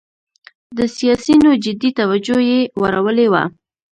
د سیاسینو جدي توجه یې وراړولې وه.